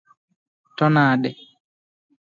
To nade?